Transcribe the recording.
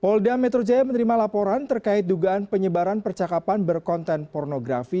polda metro jaya menerima laporan terkait dugaan penyebaran percakapan berkonten pornografi